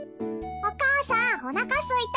おかあさんおなかすいた。